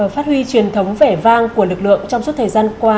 phát huy truyền thống vẻ vang của lực lượng trong suốt thời gian qua